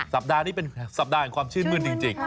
สัปดาห์นี้เป็นสัปดาห์แห่งความชื่นมื้นจริง